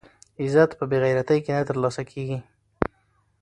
عزت په بې غیرتۍ کې نه ترلاسه کېږي.